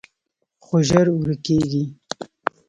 خو ژر ورکېږي